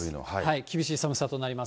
厳しい寒さとなります。